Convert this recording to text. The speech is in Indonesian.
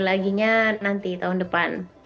laginya nanti tahun depan